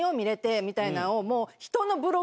みたいなんを。